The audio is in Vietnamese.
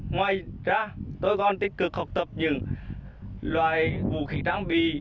ngoài ra tôi còn tích cực học tập những loại vũ khí trang bị